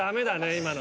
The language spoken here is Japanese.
今の。